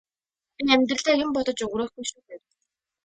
би амьдралаа юм бодож өнгөрөөхгүй шүү гэв.